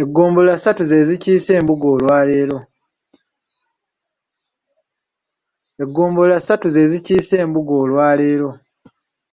Eggombolola ssatu ze zikiise embuga olwaleero.